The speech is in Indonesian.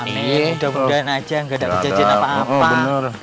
amin mudah mudahan aja gak ada kejajaran apa apa